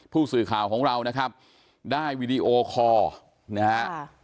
ผู้สื่อข่าวของเรานะครับได้วีดีโอคอร์นะฮะ